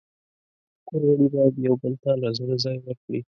د کور غړي باید یو بل ته له زړه ځای ورکړي.